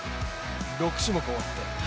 ６種目終わって。